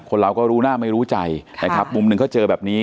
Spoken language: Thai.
คนเราก็รู้หน้าไม่รู้ใจนะครับมุมหนึ่งเขาเจอแบบนี้